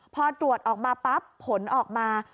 พอตรวจออกมาปั๊บผลออกมา